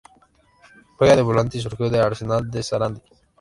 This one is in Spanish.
Juega de volante y surgió de Arsenal de Sarandí.